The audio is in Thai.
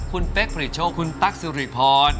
คุณเป๊กผลิตโชคคุณตั๊กสุริพร